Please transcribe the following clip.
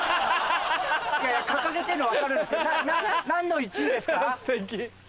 掲げてるの分かるんです何の１位ですか？